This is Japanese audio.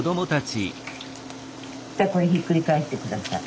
じゃこれひっくり返して下さい。